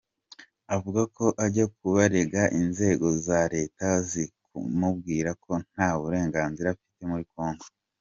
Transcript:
Avuga ko ajya kubarega inzego za Leta zikamubwira ko nta burenganzira afite muri Congo.